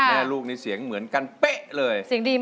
แม่ลูกเสียงเหมือนกันปึ๊ะเลย